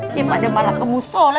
ya pada malah kemusola